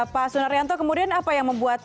pak sunaryanto kemudian apa yang membuat